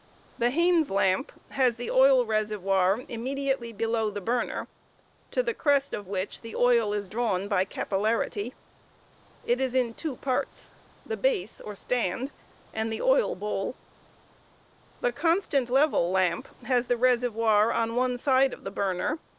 The Hains lamp has the oil reservoir immediately below the burner, to 1 the crest of which the oil is drawn by capillarity } it is in two parte 4he base or stand and the dil bowl; The ionstant level lamp has the reservoir on one side of the burner raung umps.